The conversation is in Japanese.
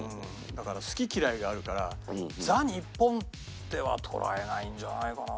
だから好き嫌いがあるからザ日本とは捉えないんじゃないかな